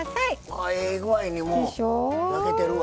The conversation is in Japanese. あええ具合にもう焼けてるわ。